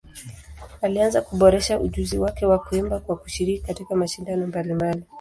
Alianza kuboresha ujuzi wake wa kuimba kwa kushiriki katika mashindano mbalimbali.